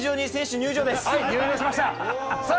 入場しましたさあ